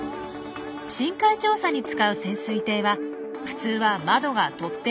深海調査に使う潜水艇は普通は窓がとっても小さいんです。